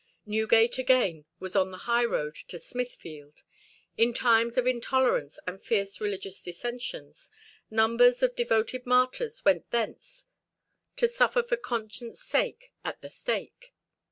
Newgate, again, was on the highroad to Smithfield; in times of intolerance and fierce religious dissensions numbers of devoted martyrs went thence to suffer for conscience' sake at the stake.